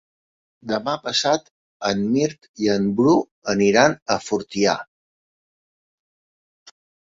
Demà passat en Mirt i en Bru aniran a Fortià.